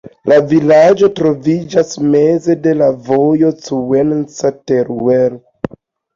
La vilaĝo troviĝas meze de la vojo Cuenca-Teruel.